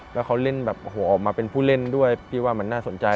แล้วเขาเล่นแบบโอ้โหออกมาเป็นผู้เล่นด้วยพี่ว่ามันน่าสนใจ